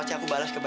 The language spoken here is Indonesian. kamu yang tante seru